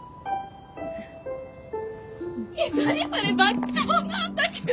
何それ爆笑なんだけど。